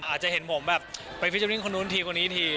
อาจจะเห็นผมแบบไปฟิเจอร์วิ่งคนนู้นทีคนนี้ที